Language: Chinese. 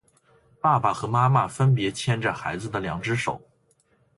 爸爸和妈妈分别牵着孩子的两只手